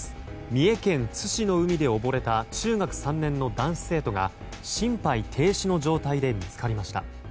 三重県津市の海で溺れた中学３年の男子生徒が心肺停止の状態で見つかりました。